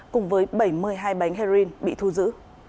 cùng với bảy mươi hai bánh heroin bị thu giữ